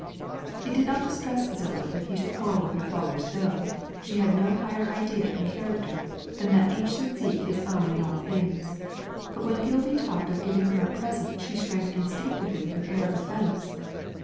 It did not distress Zilda that he should quarrel with her father's bill; she had no higher idea in character than that each should seek his own in all things; but when Gilby talked of giving her a present she shrank instinctively with an air of offence.